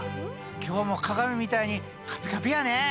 今日も鏡みたいにカピカピやね！